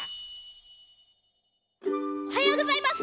おはようございます！